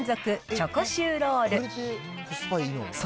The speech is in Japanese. チョコシューロール。